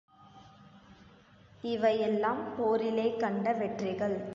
இவையெல்லாம் போரிலே கண்ட வெற்றிகள்!